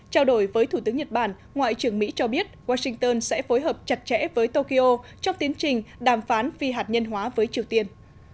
trao đổi với thủ tướng nhật bản ngoại trưởng mỹ cho biết washington sẽ phối hợp chặt chẽ với tokyo trong tiến trình đàm phán phi hạt nhân hóa với triều tiên